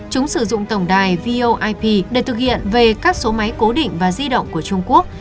chúng sử dụng tổng đài voip để thực hiện về các số máy cố định và di động của trung quốc